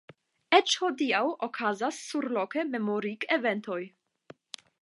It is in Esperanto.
Eĉ hodiaŭ okazas surloke memorigeventoj.